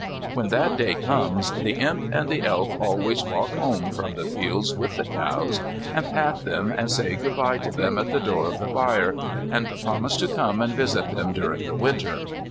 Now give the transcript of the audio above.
When that day comes the Imp and the Elf always walk home from the fields with the cows, and pat them and say good bye to them at the door of the byre, and promise to come and visit them during the Winter.